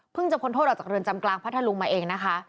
จะพ้นโทษออกจากเรือนจำกลางพัทธลุงมาเองนะคะ